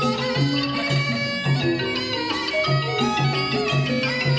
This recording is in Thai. โอเคครับ